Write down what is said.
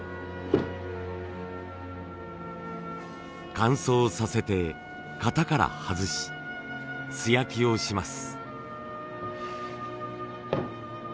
乾燥させて型から外し素焼きをします。